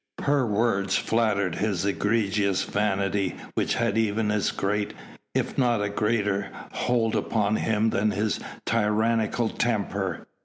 Her words flattered his egregious vanity which had even as great, if not a greater, hold upon him than his tyrannical temper.